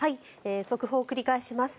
速報を繰り返します。